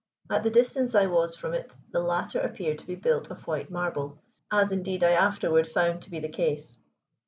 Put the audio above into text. At the distance I was from it the latter appeared to be built of white marble, as indeed I afterward found to be the case.